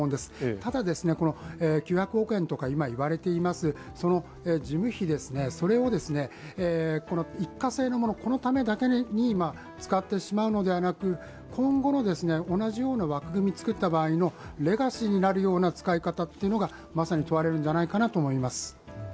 ただ、９００億円とか言われています事務費を一過性のもの、このためだけに使ってしまうのではなく、今後の同じような枠組みをつくった場合のレガシーになるような使い方がまさに問われるんじゃないかなと思います。